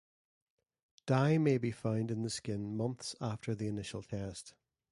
Dye may be found in the skin months after the initial test.